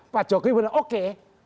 pak jokowi bilang oke